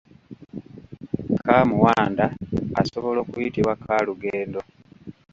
Kaamuwanda asobola okuyitibwa kaalugendo.